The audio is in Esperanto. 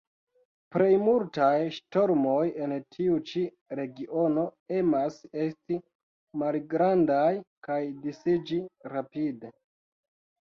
Plejmultaj ŝtormoj en tiu ĉi regiono emas esti malgrandaj kaj disiĝi rapide.